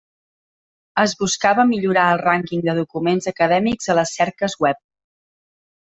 Es buscava millorar el rànquing de documents acadèmics a les cerques web.